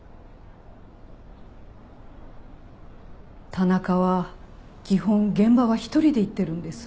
田中は基本現場は一人で行ってるんです。